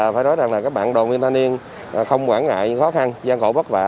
phải nói rằng là các bạn đoàn viên thanh niên không quả ngại những khó khăn gian khổ bất vả